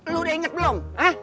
lu udah inget belum